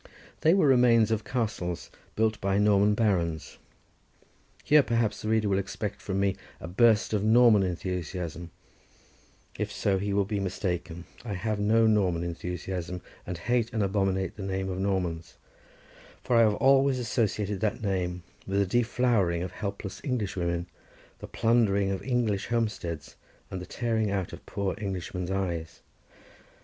They were remains of castles built by Norman barons. Here, perhaps, the reader will expect from me a burst of Norman enthusiasm: if so he will be mistaken; I have no Norman enthusiasm, and hate and abominate the name of Norman, for I have always associated that name with the deflowering of helpless Englishwomen, the plundering of English homesteads, and the tearing out of poor Englishmen's eyes.